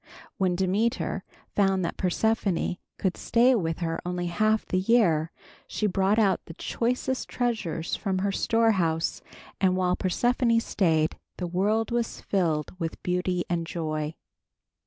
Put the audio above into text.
When Demeter found that Persephone could stay with her only half the year, she brought out the choicest treasures from her storehouse and while Persephone stayed, the world was filled with beauty and joy.